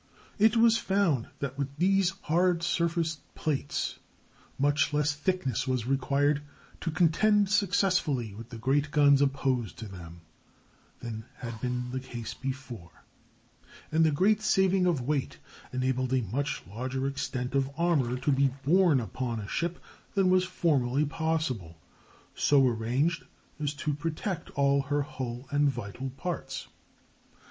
It was found that with these hard surfaced plates much less thickness was required to contend successfully with the great guns opposed to them than had been the case before; and the great saving of weight enabled a much larger extent of armor to be borne upon a ship than was formerly possible, so arranged as to protect all her hull and vital parts.